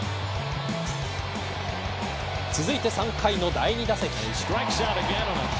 続いて３回の第２打席。